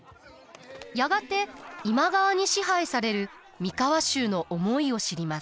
やがて今川に支配される三河衆の思いを知ります。